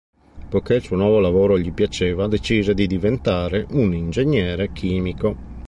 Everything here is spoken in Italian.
Poiché il suo nuovo lavoro gli piaceva, decise di diventare un ingegnere chimico.